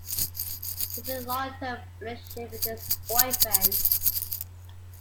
He is in a long term relationship with his boyfriend.